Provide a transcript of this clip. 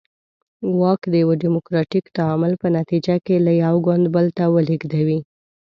واک د یوه ډیموکراتیک تعامل په نتیجه کې له یو ګوند بل ته ولېږدوي.